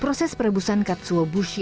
proses perebusan katsuobushi